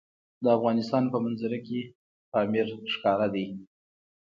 د افغانستان په منظره کې پامیر ښکاره ده.